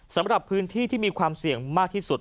สำหรับพื้นที่ที่มีความเสี่ยงมากที่สุด